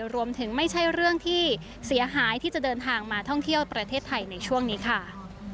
ไม่ใช่เรื่องที่เสียหายที่จะเดินทางมาท่องเที่ยวประเทศไทยในช่วงนี้ค่ะ